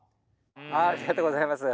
ありがとうございます。